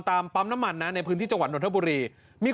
ปั๊มน้ำมันนะในพื้นที่จังหวัดนทบุรีมี